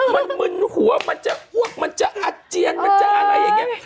มันมึนหัวมันจะอ้วกมันจะอาเจียนมันจะอะไรอย่างนี้